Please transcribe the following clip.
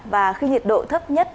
và khi nhiệt độ thấp nhất